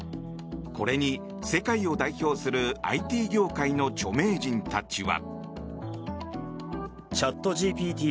これに世界を代表するＩＴ業界の著名人たちは。